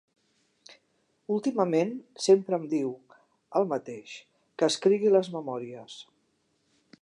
Últimament sempre em diu el mateix, que escrigui les memòries.